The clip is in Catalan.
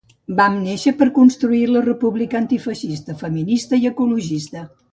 Vam néixer per construir la república, antifeixista, feminista i ecologista.